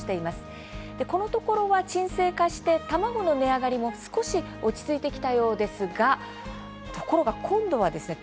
このところは沈静化して卵の値上がりも少し落ち着いてきたようですがところが今度はですね